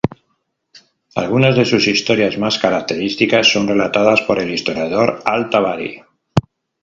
Algunas de sus historias más características son relatadas por el historiador al-Tabari.